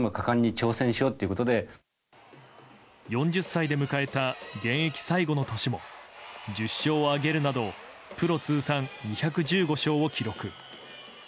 ４０歳で迎えた現役最後の年も１０勝を挙げるなどプロ通算２１５勝を記録。